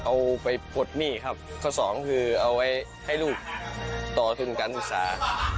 เอาไปปลดหนี้ครับข้อสองคือเอาไว้ให้ลูกต่อทุนการศึกษา